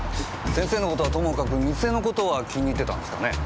先生の事はともかく店の事は気に入ってたんですかね？